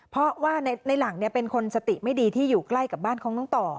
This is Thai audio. เพราะว่าในหลังเป็นคนสติไม่ดีที่อยู่ใกล้กับบ้านของน้องต่อ